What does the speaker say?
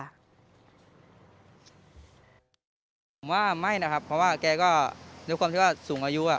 ผมว่าไม่นะครับเพราะว่าแกก็ด้วยความที่ว่าสูงอายุอ่ะ